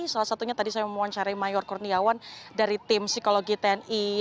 salah satunya tadi saya mewawancari mayor kurniawan dari tim psikologi tni